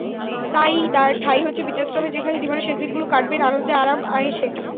তাই তাঁর ঠাঁই হচ্ছে বৃদ্ধাশ্রমে, যেখানে জীবনের শেষ দিনগুলো কাটবেন আনন্দে, আরাম-আয়েশে।